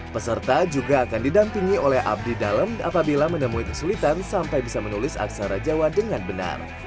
peserta juga akan didampingi oleh abdi dalam apabila menemui kesulitan sampai bisa menulis aksara jawa dengan benar